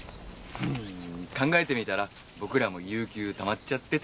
考えてみたら僕らも有休溜まっちゃってて。